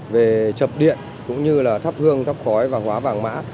về chập điện cũng như là thắp hương thắp khói vàng hóa vàng mã